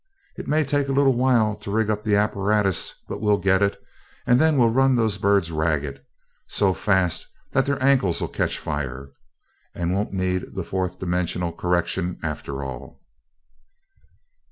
It may take a little while to rig up the apparatus, but we'll get it and then we'll run those birds ragged so fast that their ankles'll catch fire and won't need the fourth dimensional correction after all."